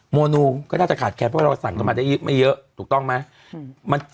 โมนูก็น่าจะขาดแค้นเพราะเราสั่งกันมาได้ไม่เยอะถูกต้องไหม